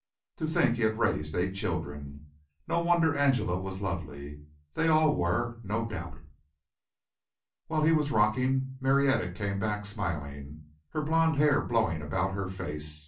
To think he had raised eight children. No wonder Angela was lovely. They all were, no doubt. While he was rocking, Marietta came back smiling, her blond hair blowing about her face.